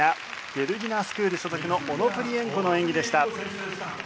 デルギナ・スクール所属のオノプリエンコの演技でした。